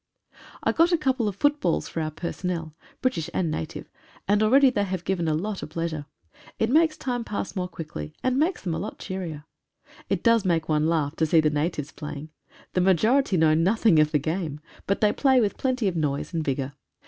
I got a couple of footballs for our personnel — British and native — and already they have given a lot of plea sure. It makes time pass more quickly, and makes them a lot cheerier. It does make one laugh to see the natives playing. The majority know nothing of the game, but they play with plenty of noise and vigour.